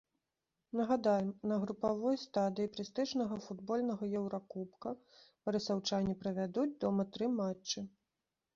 Нагадаем, на групавой стадыі прэстыжнага футбольнага еўракубка барысаўчане правядуць дома тры матчы.